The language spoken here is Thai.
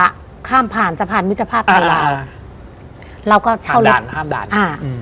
ข้าข้ามผ่านสะพานวิทยาภาพในราวเราก็เช่ารถห้ามด่านห้ามด่านอ่า